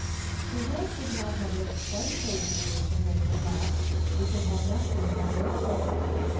The world would not have looked quite so dreary to her perhaps, if it had not been her birthday.